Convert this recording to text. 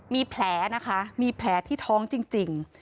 มีแผลนะคะมีแผลที่ท้องจริง